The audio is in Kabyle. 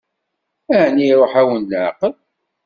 Ɛni iṛuḥ-awen leɛqel?